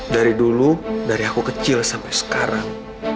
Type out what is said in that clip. dari dulu dari aku kecil sampai sekarang